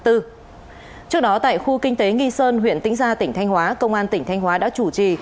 trước đó tại khu kinh tế nghi sơn huyện tĩnh gia tỉnh thanh hóa công an tỉnh thanh hóa đã chủ trì